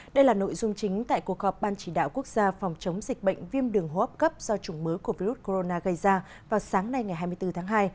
đây là nội dung chính tại cuộc họp ban chỉ đạo quốc gia phòng chống dịch bệnh viêm đường hô hấp cấp do chủng mới của virus corona gây ra vào sáng nay ngày hai mươi bốn tháng hai